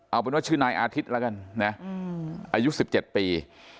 เอาเป็นว่าชื่อนายอาทิตย์แล้วกันนะอายุ๑๗ปี